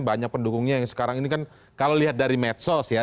banyak pendukungnya yang sekarang ini kan kalau lihat dari medsos ya